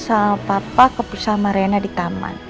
misalkan mama sama papa kepisah sama renna di taman